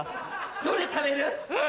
どれ食べる？